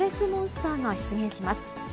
モンスターが出現します。